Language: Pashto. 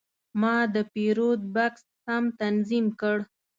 ما د پیرود بکس سم تنظیم کړ.